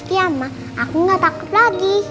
iya ma aku gak takut lagi